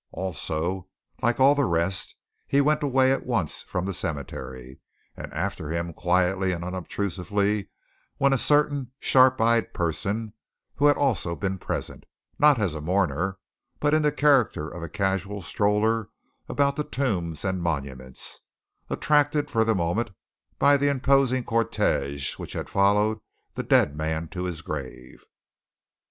Also, like all the rest, he went away at once from the cemetery, and after him, quietly and unobtrusively, went a certain sharp eyed person who had also been present, not as a mourner, but in the character of a casual stroller about the tombs and monuments, attracted for the moment by the imposing cortège which had followed the dead man to his grave.